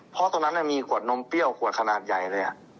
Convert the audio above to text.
เพราะตรงนั้นมีขวดนมเปรี้ยวขวดขนาดใหญ่เลย